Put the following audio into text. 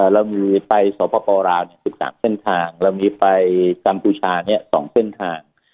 เรามีไปสปลาว๑๓เส้นทางเรามีไปกัมพูชา๒เส้นทาง